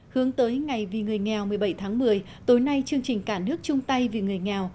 hướng tới ngày vì người nghèo một mươi bảy tháng một mươi tối nay chương trình cả nước chung tay vì người nghèo